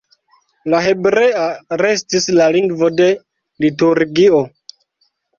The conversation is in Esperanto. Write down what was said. La hebrea restis la lingvo de liturgio.